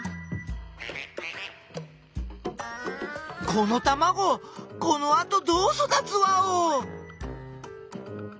このたまごこのあとどうそだつワオ！？